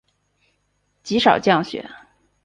极少降雪。